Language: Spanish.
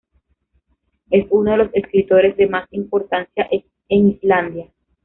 Es uno de los escritores de más importancia en Islandia.